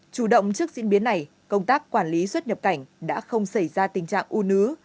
chủ động trước diễn biến này công tác quản lý xuất nhập cảnh đã không xảy ra tình trạng u nứ